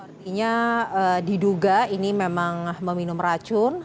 artinya diduga ini memang meminum racun